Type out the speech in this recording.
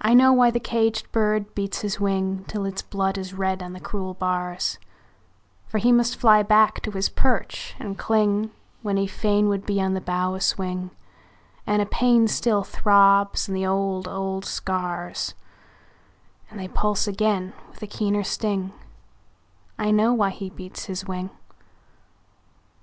I know why the caged bird beats his wing Till its blood is red on the cruel bars; For he must fly back to his perch and cling When he fain would be on the bough a swing; And a pain still throbs in the old, old scars And they pulse again with a keener sting I know why he beats his wing!